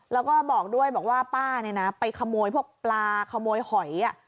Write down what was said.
แล้วก็บอกด้วยบอกว่าป้าเนี่ยนะไปขโมยพวกปลาขโมยหอย